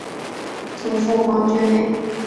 祖父黄厥美。